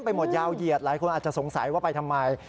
ไปหมดยาวเหยียดหลายคนอาจจะสงสัยว่าไปทำไม